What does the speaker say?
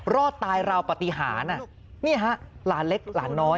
รอดตายราวปฏิหารนี่ฮะหลานเล็กหลานน้อย